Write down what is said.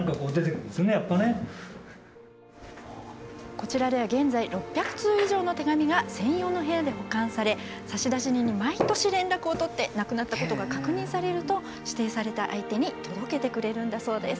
こちらでは現在６００通以上の手紙が専用の部屋で保管され差出人に毎年連絡を取って亡くなったことが確認されると指定された相手に届けてくれるんだそうです。